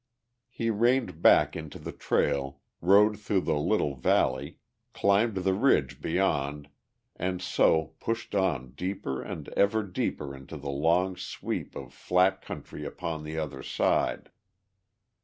He reined back into the trail, rode through the little valley, climbed the ridge beyond and so pushed on deeper and ever deeper into the long sweep of flat country upon the other side.